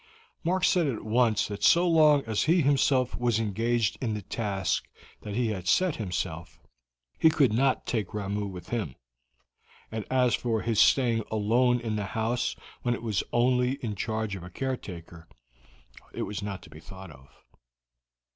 Mark said at once that so long as he himself was engaged in the task that he had set himself, he could not take Ramoo with him, and as for his staying alone in the house when it was only in charge of a caretaker, it was not to be thought of.